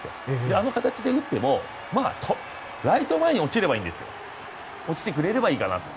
あの形で打ってもまあ、ライト前に落ちてくれればいいかなと。